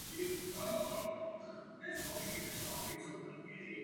Samice ani mláďata nemají oční kroužek.